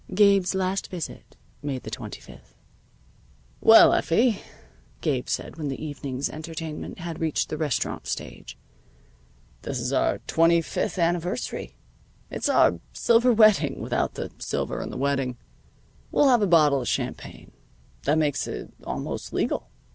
Gabe's last visit made the twenty fifth. "Well, Effie," Gabe said when the evening's entertainment had reached the restaurant stage, "this is our twenty fifth anniversary. It's our silver wedding, without the silver and the wedding. We'll have a bottle of champagne. That makes it almost legal.